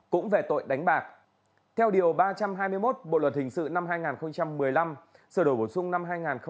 cũng về tội đánh bạc theo điều ba trăm hai mươi một bộ luật hình sự năm hai nghìn một mươi năm sở đổi bổ sung năm hai nghìn một mươi bảy